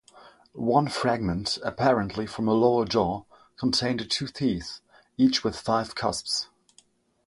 One fragment, apparently from a lower jaw, contained two teeth, each with five cusps.